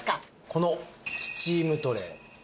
このスチームトレー。